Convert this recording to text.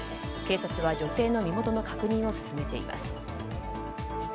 警察は女性の身元の確認を進めています。